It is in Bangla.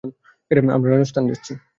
আমরা রাজস্থান যাচ্ছি।